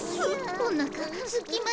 おなかがすきました。